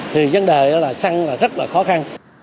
thì vấn đề là xăng rất là khó khăn